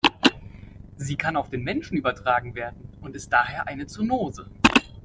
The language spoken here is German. Sie kann auf den Menschen übertragen werden und ist daher eine Zoonose.